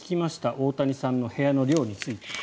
大谷さんの部屋の寮について。